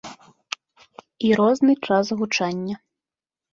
І розны час гучання.